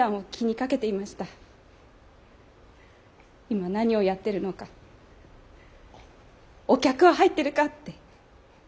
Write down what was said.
今何をやってるのかお客は入ってるかって。